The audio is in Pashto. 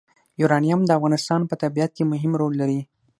یورانیم د افغانستان په طبیعت کې مهم رول لري.